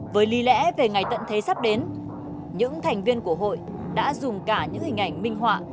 với lý lẽ về ngày tận thế sắp đến những thành viên của hội đã dùng cả những hình ảnh minh họa